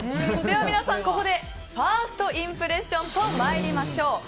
では皆さん、ここでファーストインプレッションと参りましょう。